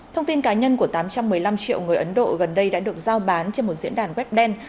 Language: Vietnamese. thông tin cá nhân của tám trăm một mươi năm triệu người ấn độ gần đây đã được giao bán trên một diễn đàn web đen